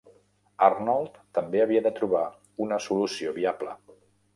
Arnold també havia de trobar una solució viable.